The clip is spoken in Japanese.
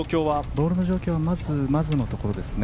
ボールの状況はまずまずのところですね。